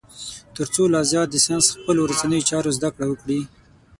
تر څو لا زیات د ساینس خپلو ورځنیو چارو زده کړه وکړي.